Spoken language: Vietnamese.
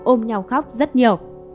ôm nhau khóc rất nhiều